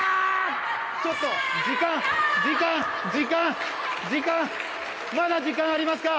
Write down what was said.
ちょっと時間、時間、時間まだ時間ありますか？